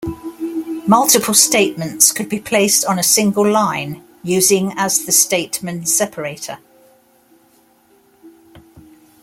Multiple statements could be placed on a single line using as the statement separator.